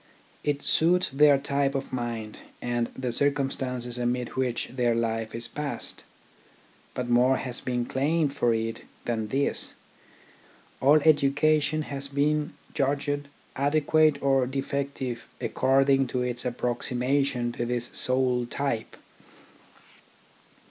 It suits their type of mind and the circumstances amid which their life is passed. But more has been claimed for it than this. All education has been judged adequate or defective according to its approximation to this sole type.